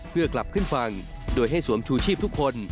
เพื่อกลับขึ้นฝั่งโดยให้สวมชูชีพทุกคน